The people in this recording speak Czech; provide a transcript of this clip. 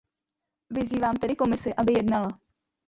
Vyzývám tedy Komisi, aby jednala.